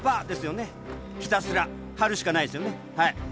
ですよねひたすら張るしかないですよねはい。